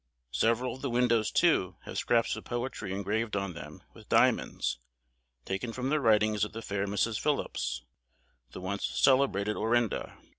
Several of the windows, too, have scraps of poetry engraved on them with diamonds, taken from the writings of the fair Mrs. Phillips, the once celebrated Orinda.